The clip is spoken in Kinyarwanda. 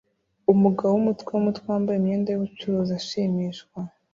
Umugabo wumutwe wumutwe wambaye imyenda yubucuruzi ashimishwa